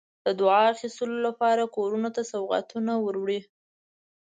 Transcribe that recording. د دعا د اخیستلو لپاره کورونو ته سوغاتونه وروړي.